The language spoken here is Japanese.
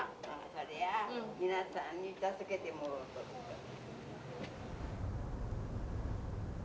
そりゃ皆さんに助けてもろうとるから。